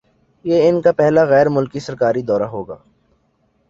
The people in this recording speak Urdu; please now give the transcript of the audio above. یہ ان کا پہلا غیرملکی سرکاری دورہ ہوگا